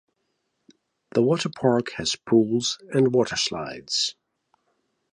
The Water Park has pools and water slides.